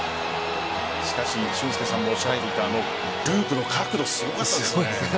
しかし、俊輔さんもおっしゃっていたループの角度、すごかったですね。